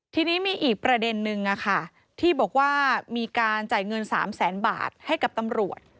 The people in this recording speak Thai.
ทีนี้มีอีกประเด็นนึงที่บอกว่ามีการจ่ายเงิน๓แสนบาทให้กับตำรวจ